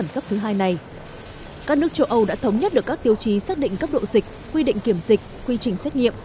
các nước châu âu đã thống nhất được các tiêu chí xác định cấp độ dịch quy định kiểm dịch quy trình xét nghiệm